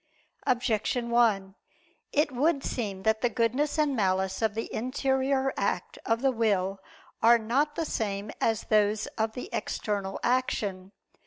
Objection 1: It would seem that the goodness and malice of the interior act of the will are not the same as those of the external action.